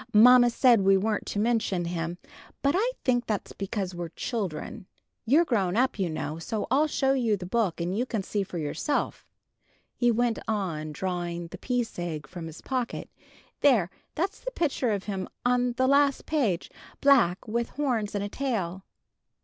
"Mamma said we weren't to mention him, but I think that's because we're children. You're grown up, you know, so I'll show you the book, and you can see for yourself," he went on, drawing "The Peace Egg" from his pocket: "there, that's the picture of him, on the last page; black, with horns and a tail."